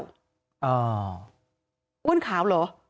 อ้วนขาวเหรอ